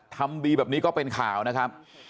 ทำดีแบบนี้ก็เป็นข่าวนะครับ